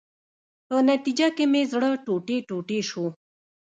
په نتیجه کې مې زړه ټوټې ټوټې شو.